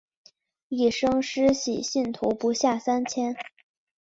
一生施洗信徒不下三千。